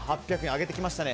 上げてきましたね。